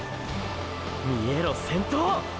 見えろ先頭！！